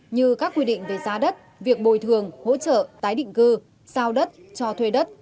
như các quy định về giá đất việc bồi thường hỗ trợ tái định cư giao đất cho thuê đất